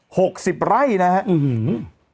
หกสิบไร่นะฮะอื้อหือ